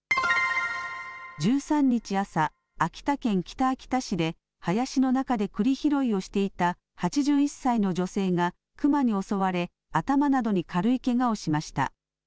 １３日朝秋田県北秋田市で林の中でくり拾いをしていた８１歳の女性が熊に襲われ頭などに軽いけがをしました。